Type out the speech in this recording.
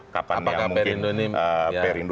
kapan yang mungkin perindo